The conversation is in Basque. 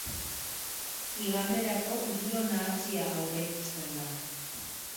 Iganderako giro nahasia aurreikusten da.